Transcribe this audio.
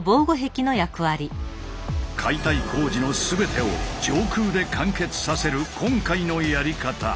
解体工事の全てを上空で完結させる今回のやり方。